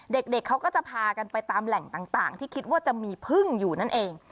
เด็กเขาก็จะพากันไปตามแหล่งต่างที่คิดว่าจะมีพึ่งอยู่นั่นเอง